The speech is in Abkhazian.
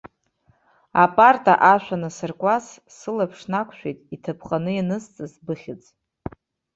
Апарта ашә анасыркуаз, сылаԥш нақәшәеит иҭаԥҟаны ианысҵаз быхьӡ.